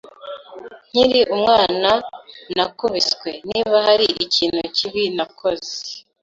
Nkiri umwana, nakubiswe niba hari ikintu kibi nakoze.